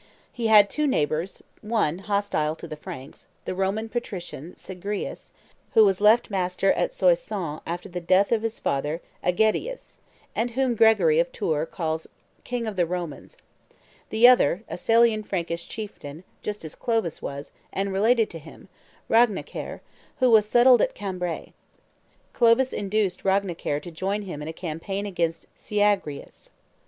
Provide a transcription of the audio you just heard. He had two neighbors: one, hostile to the Franks, the Roman patrician Syagrius, who was left master at Soissons after the death of his father AEgidius, and whom Gregory of Tours calls "King of the Romans;" the other, a Salian Frankish chieftain, just as Clovis was, and related to him, Ragnacaire, who was settled at Cambrai. Clovis induced Ragnacaire to join him in a campaign against Syagrius.